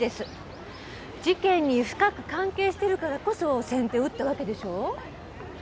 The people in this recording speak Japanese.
事件に深く関係してるからこそ先手を打ったわけでしょう？